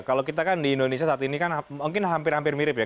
kalau kita kan di indonesia saat ini kan mungkin hampir hampir mirip ya